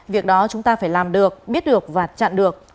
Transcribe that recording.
việc đó chúng ta phải làm được biết được và chặn được